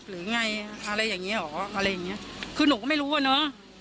หรือไงอะไรอย่างงี้ครับอะไรยังงี้คือหนูไม่รู้เลยเนาะ